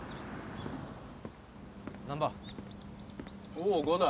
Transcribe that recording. おう伍代。